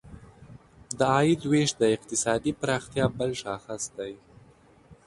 د عاید ویش د اقتصادي پراختیا بل شاخص دی.